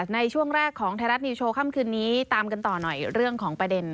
ในช่วงแรกของไทยรัฐนิวโชว์ค่ำคืนนี้ตามกันต่อหน่อยเรื่องของประเด็น